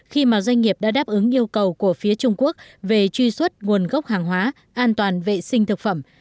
khi mà doanh nghiệp đã đáp ứng yêu cầu của phía trung quốc về truy xuất nguồn gốc hàng hóa an toàn vệ sinh thực phẩm